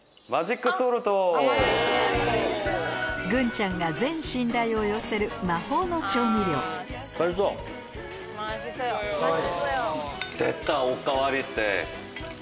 グンちゃんが全信頼を寄せる魔法の調味料すごい！